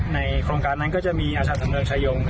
ในโครงการนั้นก็จะมีอาจารย์สำเริงชายง